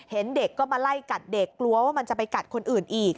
เห็นเด็กก็มาไล่กัดเด็กกลัวว่ามันจะไปกัดคนอื่นอีก